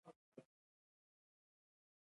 استاد بینوا د ټولنې د اصلاح لپاره خپل قلم استعمال کړ.